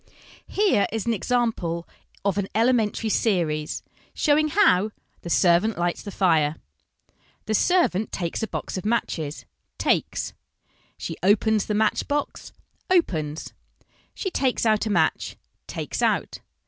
Here is an example of an elementary ' Series,' showing how ' the servant lights the fire ':" The servant takes a box of matches, takes. She opens the match box, opens. She takes out a match, takes out.